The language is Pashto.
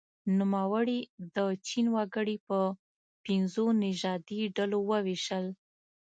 نوموړي د چین وګړي په پنځو نژادي ډلو وویشل.